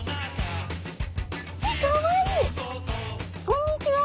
こんにちは。